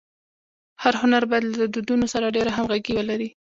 هر هنر باید له دودونو سره ډېره همږغي ولري.